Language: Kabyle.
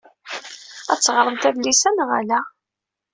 Ad teɣṛemt adlis-a neɣ ala?